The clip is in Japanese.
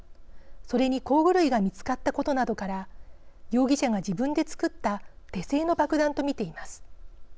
それに工具類が見つかったことなどから容疑者が自分で作った手製の爆弾と見ています。